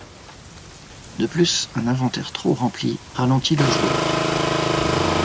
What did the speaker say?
De plus, un inventaire trop rempli ralentit le joueur.